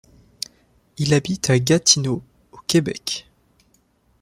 Il habite à Gatineau, au Québec.